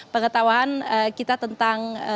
pengetahuan kita tentang